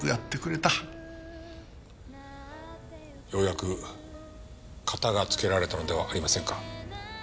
ようやくカタがつけられたのではありませんか？